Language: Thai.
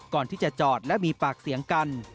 ก่อนที่จะจอดและมีปากเสียงกัน